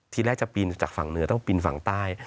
ทีแรกจะปีนจากฝั่งเหนือต้องปีนฝั่งใต้